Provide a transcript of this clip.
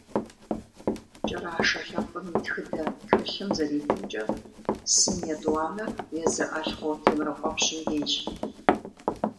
«КӀэрашэ лъэпкъым и тхыдэ» тхылъым зэритымкӀэ, сын етӀуанэр езы Алъхъо Темрыкъуэпщым ейщ.